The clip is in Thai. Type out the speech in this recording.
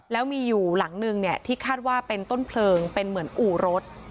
แล้วมีอยู่หลังนึงที่คาดว่าเป็นต้นเพลิงเป็นเหมือนอู่รถ